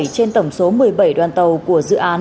bảy trên tổng số một mươi bảy đoàn tàu của dự án